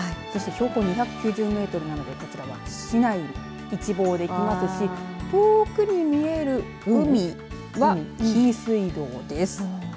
そして標高２９０メートルなのでこちらは市内を一望できますし遠くに見える海は紀伊水道です。